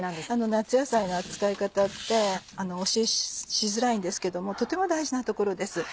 夏野菜の扱い方ってお教えしづらいんですけどもとても大事なところです。